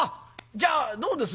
じゃあどうです